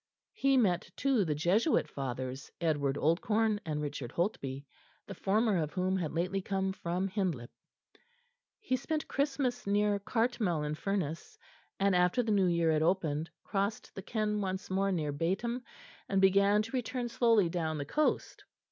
He met, too, the Jesuit Fathers Edward Oldcorne and Richard Holtby, the former of whom had lately come from Hindlip. He spent Christmas near Cartmel in Furness, and after the new year had opened, crossed the Ken once more near Beetham, and began to return slowly down the coast.